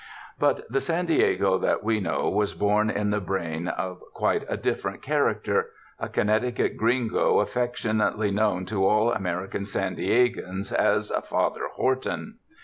But the San Diego that we know was born in the brain of quite a different character — a Connecticut gringo affec tionately known to all American San Diegans as "Father Horton."